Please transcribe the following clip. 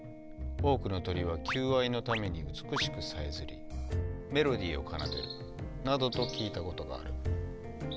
多くの鳥は求愛のために美しくさえずりメロディーを奏でるなどと聞いたことがある。